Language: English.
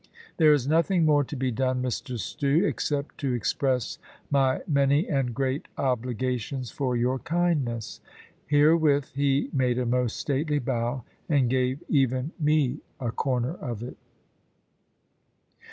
There is nothing more to be done, Mr Stew, except to express my many and great obligations for your kindness." Herewith he made a most stately bow, and gave even me a corner of it.